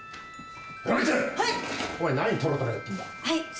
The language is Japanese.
はい！